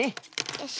よし。